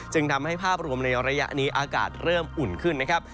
จึงทำให้ภาพรวมในระยะนี้อากาศเริ่มอุ่นขึ้นนะครับ